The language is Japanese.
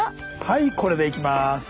はいこれでいきます。